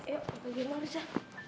yuk pergi malis ya